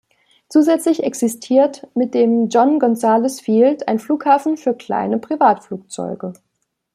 Zusätzlich existiert mit dem "John Gonzales Field" ein Flughafen für kleine Privatflugzeuge.